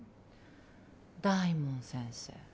大門先生